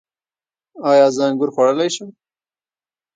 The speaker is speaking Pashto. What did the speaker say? ایا زه انګور خوړلی شم؟